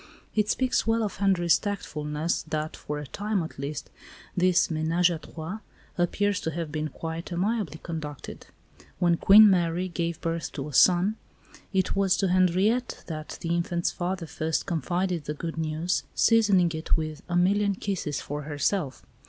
It speaks well for Henri's tactfulness that for a time at least this ménage à trois appears to have been quite amiably conducted. When Queen Marie gave birth to a son it was to Henriette that the infant's father first confided the good news, seasoning it with "a million kisses" for herself.